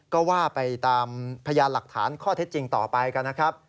ก็ว่าไปตามพยานหลักฐานข้อเท็จจริงต่อไปกันนะครับ